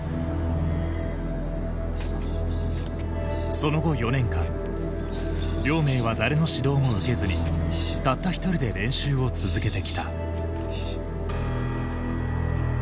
その後４年間亮明は誰の指導も受けずにたった一人で練習を続けてきた。